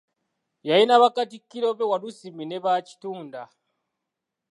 Yalina Bakatikkiro be Walusimbi ne Baakitunda.